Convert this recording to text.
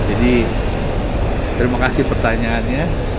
jadi terima kasih pertanyaannya